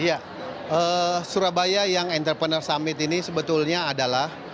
iya surabaya young entrepreneur summit ini sebetulnya adalah